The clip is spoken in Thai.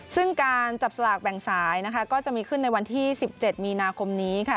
ซึ่งการจับสลากแบ่งสายนะคะก็จะมีขึ้นในวันที่๑๗มีนาคมนี้ค่ะ